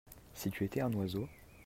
si tu étais un oiseau.